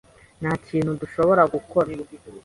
Nta kintu dushobora gukora?